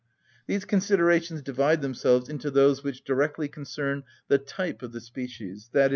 These considerations divide themselves into those which directly concern the type of the species, _i.